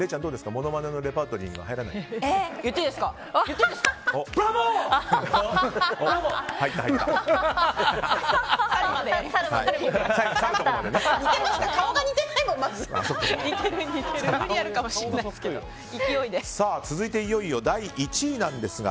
ものまねのレパートリーには言っていいですか。